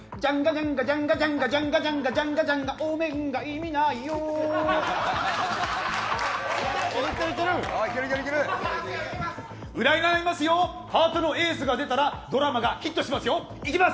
ジャンガジャンガジャンガお面が意味ないよ占いますよ、ハートのエースが出たらドラマがヒットしますよ、いきます！